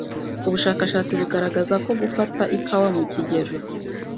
Ubushakashatsi bugaragaza ko gufata ikawa mu kigero,